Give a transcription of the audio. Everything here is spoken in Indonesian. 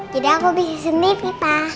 jadi aku bisa sendiri pak